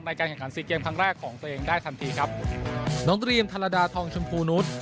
ในการแข่งขันซีเกมครั้งแรกของตัวเองได้ทันทีครับน้องดรีมธารดาทองชมพูนุษย์